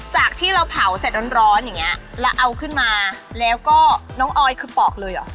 จากที่เราเผาเสร็จร้อนอย่างเงี้ยแล้วเอาขึ้นมาแล้วก็น้องออยคือปอกเลยเหรอ